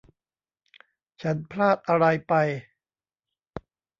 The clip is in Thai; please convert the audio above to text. ฉันพลาดอะไรไป